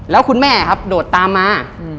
แล้วคุณแม่ครับโดดตามมา